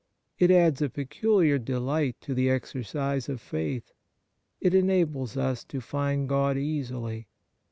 It adds a peculiar delight to the exercise of faith. It enables us to find God easily.